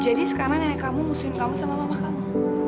jadi sekarang nenek kamu musuhin kamu sama mama kamu